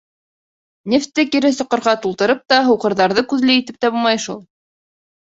Нефтте кире соҡорға тултырып та, һуҡырҙарҙы күҙле итеп тә булмай шул.